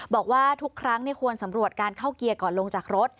บอกว่าทุกครั้งควรสำรวจการเข้าเกียร์ก่อนลงจากรถ